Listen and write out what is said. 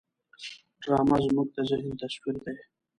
ډرامه زموږ د ذهن تصویر دی